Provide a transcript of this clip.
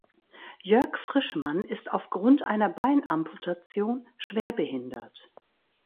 Jörg Frischmann ist auf Grund einer Beinamputation schwerbehindert.